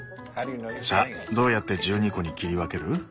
さあどうやって１２個に切り分ける？